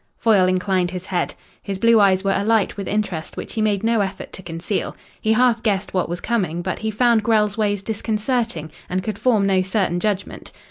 Foyle inclined his head. His blue eyes were alight with interest which he made no effort to conceal. He half guessed what was coming, but he found Grell's ways disconcerting and could form no certain judgment.